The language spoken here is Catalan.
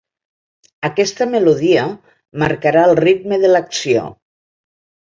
Aquesta melodia marcarà el ritme de l’acció.